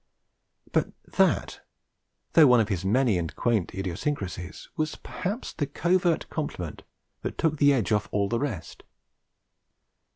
But that, though one of his many and quaint idiosyncrasies, was perhaps the covert compliment that took the edge off all the rest.